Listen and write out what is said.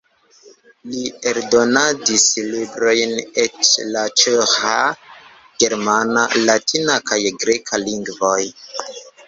Li eldonadis librojn en la ĉeĥa, germana, latina kaj greka lingvoj.